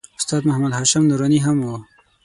استاد محمد هاشم نوراني هم و.